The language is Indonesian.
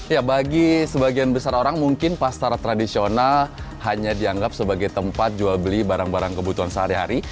ya bagi sebagian besar orang mungkin pasar tradisional hanya dianggap sebagai tempat jual beli barang barang kebutuhan sehari hari